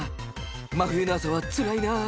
真冬の朝はつらいなあ。